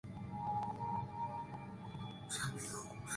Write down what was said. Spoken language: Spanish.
Tenía una hermana, Eva.